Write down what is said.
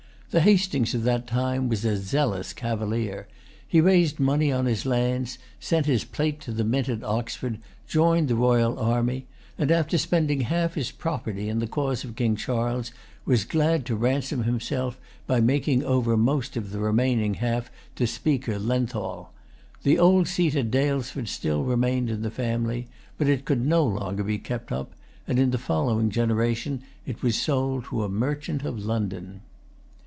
The Hastings of that time was a zealous cavalier. He raised money on his lands, sent his plate to the mint at Oxford, joined the royal army, and, after spending half his property in the cause of King Charles, was glad to ransom[Pg 116] himself by making over most of the remaining half to Speaker Lenthal. The old seat at Daylesford still remained in the family; but it could no longer be kept up; and in the following generation it was sold to a merchant of London.